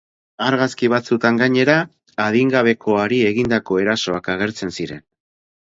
Argazki batzuetan, gainera, adingabekoari egindako erasoak agertzen ziren.